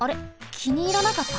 きにいらなかった？